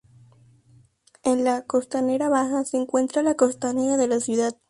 En la "Costanera Baja" se encuentra la costanera de la ciudad.